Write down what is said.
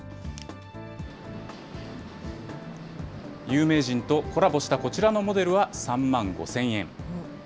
有名人とコラボしたこちらのモデルは３万５０００円。